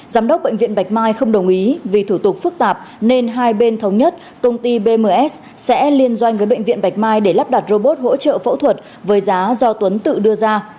giám đốc bệnh viện bạch mai không đồng ý vì thủ tục phức tạp nên hai bên thống nhất công ty bms sẽ liên doanh với bệnh viện bạch mai để lắp đặt robot hỗ trợ phẫu thuật với giá do tuấn tự đưa ra